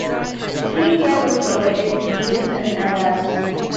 Free care was provided to Jews and Arabs.